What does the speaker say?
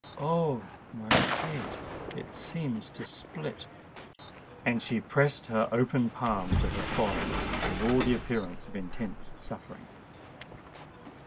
Oh! my head—it seems to split!" And she pressed her open palm to her forehead with all the appearance of intense suffering.